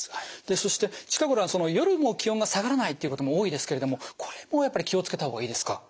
そして近頃は夜も気温が下がらないっていうことも多いですけれどもこれもやっぱり気を付けた方がいいですか？